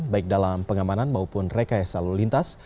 baik dalam pengamanan maupun rekayasa lalu lintas